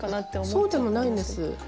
そうでもないんです。